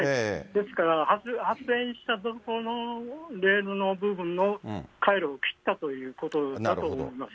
ですから、発煙した所のレールの部分の回路を切ったということだと思います。